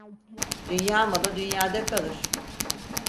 Dünya malı dünyada kalır.